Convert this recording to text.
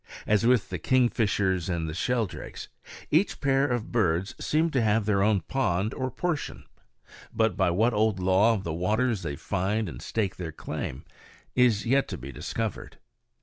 As with the kingfishers and sheldrakes, each pair of birds seem to have their own pond or portion; but by what old law of the waters they find and stake their claim is yet to be discovered.